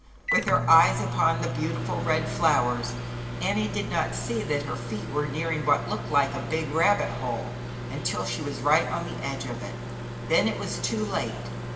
With her eyes upon the beautiful red owers Annie did not see that her feet were nearing what looked like a big rabbit hole, until she was right on the edge of it, then it was too late.